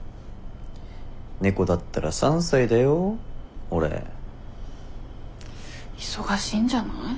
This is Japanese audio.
猫だったら３歳だよ俺。忙しいんじゃない？